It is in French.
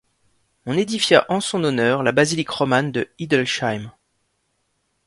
On édifia en son honneur la basilique romane de Hildesheim.